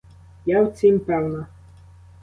Я в цім певна.